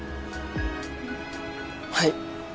はい。